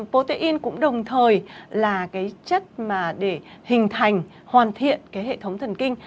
potein cũng đồng thời là cái chất mà để hình thành hoàn thiện cái hệ thống thần kinh